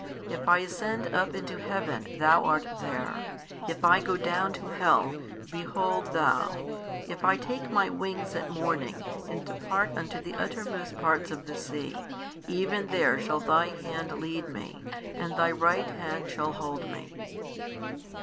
if I ascend up into heaven, THOU art there, if I go down to hell, behold Thou, if I take my wings at morning and depart unto the uttermost parts of the sea, even there shall Thy Hand lead me and Thy Right Hand shall hold me.